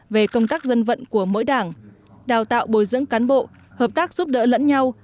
về công tác dân vận của mỗi đảng đào tạo bồi dưỡng cán bộ hợp tác giúp đỡ lẫn nhau